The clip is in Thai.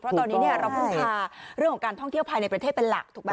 เพราะตอนนี้เราเพิ่งพาเรื่องของการท่องเที่ยวภายในประเทศเป็นหลักถูกไหม